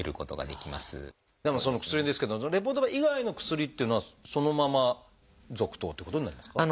でもその薬ですけどレボドパ以外の薬っていうのはそのまま続投っていうことになりますか？